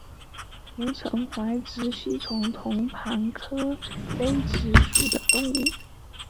吴城杯殖吸虫为同盘科杯殖属的动物。